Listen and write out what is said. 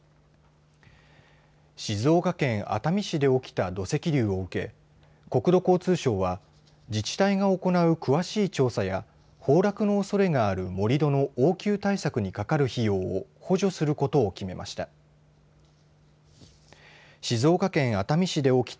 静岡県熱海市で起きた土石流を受け国土交通省は自治体が行う詳しい調査や崩落のおそれがある盛り土の応急対策にかかる費用を補助することを決めました。